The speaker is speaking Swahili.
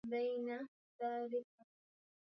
Unaweza kutuletea chupa ya maji?